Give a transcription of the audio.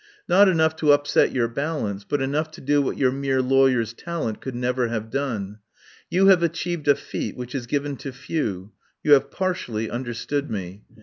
Not enough to upset your balance, but enough to do what your mere lawyer's talent could never have done. You have achieved a feat which is given to few — you have partially understood me.